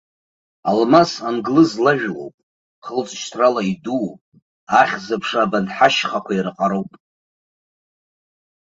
Алмас англыз лажәлоуп, хылҵшьҭрала идууп, ахьӡаԥша абанҭ ҳашьхақәа ираҟароуп.